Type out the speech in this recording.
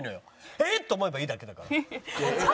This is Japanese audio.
「えっ！」と思えばいいだけだから。